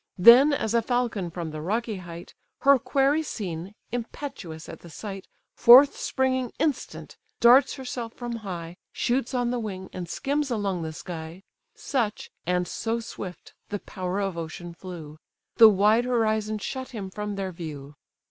Then, as a falcon from the rocky height, Her quarry seen, impetuous at the sight, Forth springing instant, darts herself from high, Shoots on the wing, and skims along the sky: Such, and so swift, the power of ocean flew; The wide horizon shut him from their view.